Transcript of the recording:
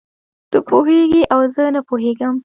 ته پوهېږې او زه نه پوهېږم.